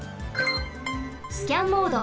スキャンモード。